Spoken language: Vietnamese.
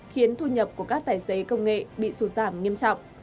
khiến thu nhập của các tài xế công nghệ bị sụt giảm nghiêm trọng